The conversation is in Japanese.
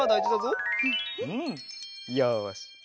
よし。